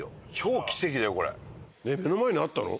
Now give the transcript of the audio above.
目の前にあったの？